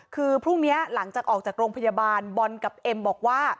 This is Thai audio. คือพรุ่งนี้หลังจากออกจากโรงพยาบาลบอลกับเอ็มบอกว่า